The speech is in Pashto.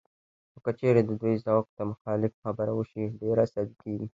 خو که چېرې د دوی ذوق ته مخالف خبره وشي، ډېر عصبي کېږي